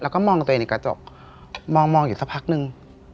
แล้วก็มองตัวเองในกระจกมองอยู่สักพักนึง